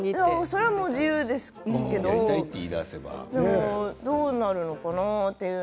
それは自由ですけれどどうなるのかなって。